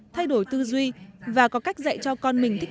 thay đổi tư duy và có cách dạy cho con mình thích